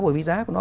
bởi vì giá của nó